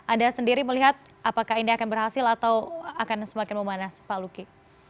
anda sendiri melihat apakah ini akan berhasil atau akan semakin memanas pak luki